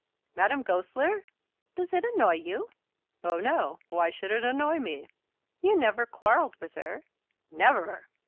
"Madame Goesler!" "Does it annoy you?" "Oh, no. Why should it annoy me?" "You never quarrelled with her?" "Never!"